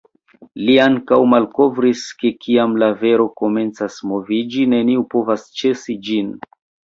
Li ankaŭ malkovris ke kiam la vero komencas moviĝi neniu povas ĉesi ĝin.